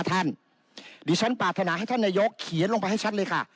ท่านเดี๋ยวฉันปรารถนาให้ท่านนายกเขียนลงไปให้ชัดเลยค่ะ